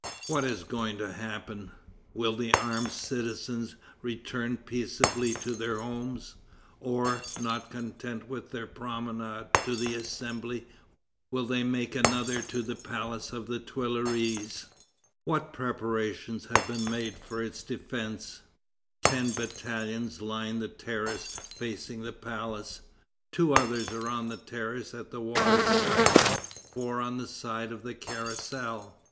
What is going to happen? Will the armed citizens return peaceably to their homes? Or, not content with their promenade to the Assembly, will they make another to the palace of the Tuileries? What preparations have been made for its defence? Ten battalions line the terrace facing the palace. Two others are on the terrace at the water side, four on the side of the Carrousel.